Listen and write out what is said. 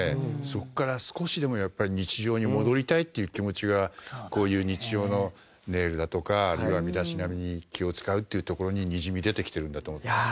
そこから少しでもやっぱり日常に戻りたいっていう気持ちがこういう日常のネイルだとかあるいは身だしなみに気を使うっていうところににじみ出てきてるんだと。